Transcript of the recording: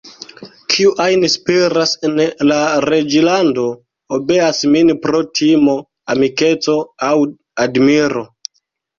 Kiu ajn spiras en la reĝlando, obeas min pro timo, amikeco aŭ admiro.